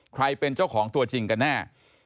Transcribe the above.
ใครเป็นเจ้าของตัวจริงกันแน่